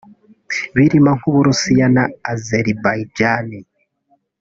birimo nk’u Burusiya na Azerbaijan